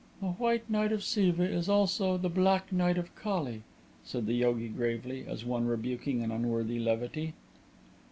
"The White Night of Siva is also the Black Night of Kali," said the yogi, gravely, as one rebuking an unworthy levity.